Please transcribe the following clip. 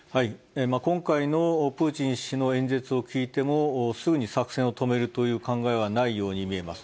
今回のプーチン氏の演説を聞いても、すぐに作戦を止めるという考えはないように見えます。